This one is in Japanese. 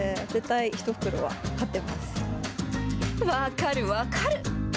分かる、分かる。